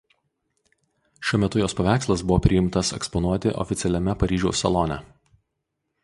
Šiuo metu jos paveikslas buvo priimtas eksponuoti oficialiame Paryžiaus salone.